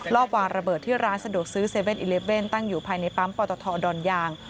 อบวางระเบิดที่ร้านสะดวกซื้อ๗๑๑ตั้งอยู่ภายในปั๊มปอตทดอนยาง